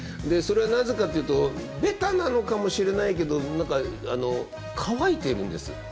それはなぜかっていうとベタなのかもしれないけど何か乾いてるんです。